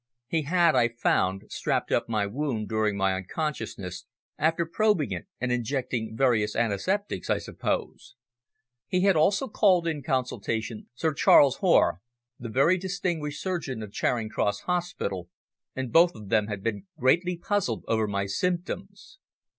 He had, I found, strapped up my wound during my unconsciousness after probing it and injecting various antiseptics, I suppose. He had also called in consultation Sir Charles Hoare, the very distinguished surgeon of Charing Cross Hospital, and both of them had been greatly puzzled over my symptoms.